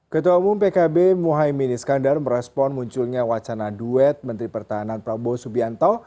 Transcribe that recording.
ketua umum pkb muhaymin iskandar merespon munculnya wacana duet menteri pertahanan prabowo subianto